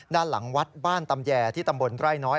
ด้านหลังวัดบ้านตำแยที่ตำบลไร่น้อย